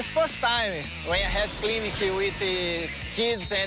เป็นครั้งแรกที่เกี่ยวกับโรงงานและโรงงาน